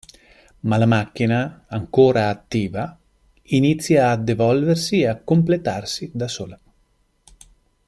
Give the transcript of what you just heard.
Ma la macchina, ancora attiva, inizia a evolversi e a completarsi da sola.